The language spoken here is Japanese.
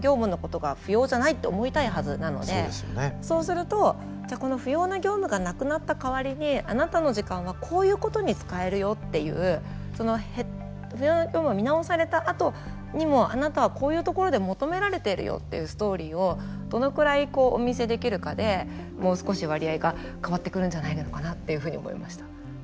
そうするとじゃあこの不要な業務がなくなった代わりにあなたの時間はこういうことに使えるよっていう不要な業務を見直されたあとにもあなたはこういうところで求められてるよっていうストーリーをどのくらいお見せできるかでもう少し割合が変わってくるんじゃないのかなっていうふうに思いました。